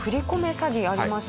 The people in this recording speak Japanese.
詐欺ありました。